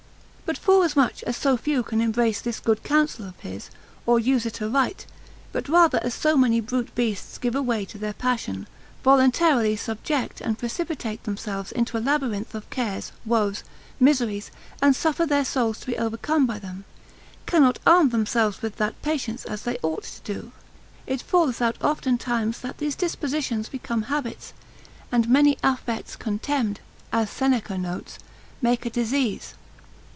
But forasmuch as so few can embrace this good council of his, or use it aright, but rather as so many brute beasts give away to their passion, voluntary subject and precipitate themselves into a labyrinth of cares, woes, miseries, and suffer their souls to be overcome by them, cannot arm themselves with that patience as they ought to do, it falleth out oftentimes that these dispositions become habits, and many affects contemned (as Seneca notes) make a disease.